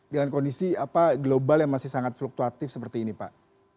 dengan kondisi global yang masih sangat fluktuatif seperti ini pak